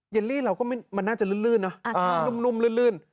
เยลลี่เราก็ไม่มันน่าจะลื้นลื่นอ่าอ่านุ่มนุ่มลื่นลื่น